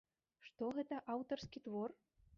Што гэта аўтарскі твор?